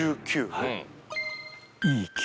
はい。